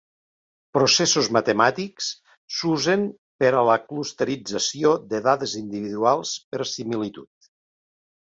Processos matemàtics s'usen per a la clusterització de dades individuals per similitud.